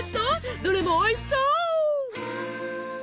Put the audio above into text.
どれもおいしそう！